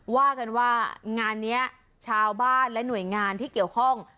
ว่ากันว่างานนี้ชาวบ้านและหน่วยงานที่เกี่ยวข้อง